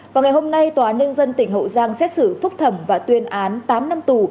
vào ngày hôm nay tòa án nhân dân tỉnh hậu giang xét xử phúc thẩm và tuyên án tám năm tù